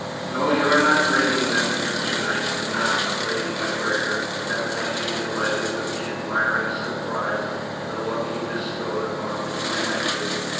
"No, you are not dreaming them, Mr. Knight," announced Lady MacGregor, evidently delighted with the admiring surprise in the look he bestowed upon these images.